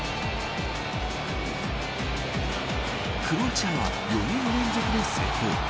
クロアチアは４人連続で成功。